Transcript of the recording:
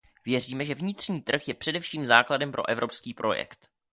Věříme, že vnitřní trh je především základem pro evropský projekt.